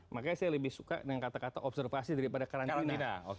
makanya saya lebih suka dengan kata kata observasi daripada karantina